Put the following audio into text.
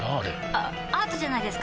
あアートじゃないですか？